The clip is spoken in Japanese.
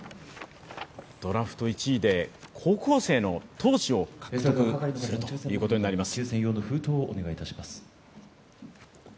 ドラフト１位で高校生の投手を獲得するということになります。